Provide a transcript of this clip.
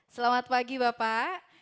selamat pagi bapak